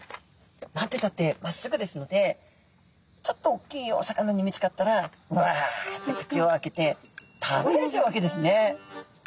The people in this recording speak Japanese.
何てったってまっすぐですのでちょっと大きいお魚に見つかったらわっと口を開けて食べられちゃうわけですね。